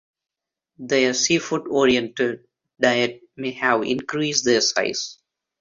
Their seafood-oriented diet may have increased their size.